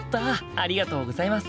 ありがとうございます。